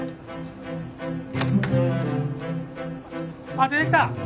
あっ出てきた！